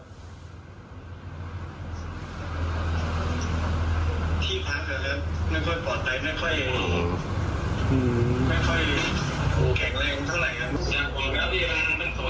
ทีพักเหอะครับ